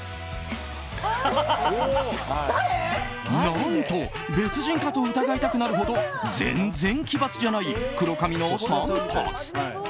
何と、別人かと疑いたくなるほど全然、奇抜じゃない黒髪の短髪。